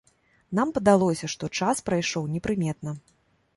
Нам падалося, што час прайшоў непрыметна.